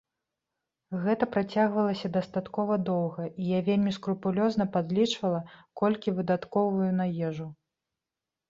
Гэта працягвалася дастаткова доўга, і я вельмі скрупулёзна падлічвала, колькі выдаткоўваю на ежу.